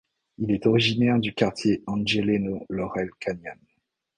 Il est originaire du quartier angeleno Laurel Canyon.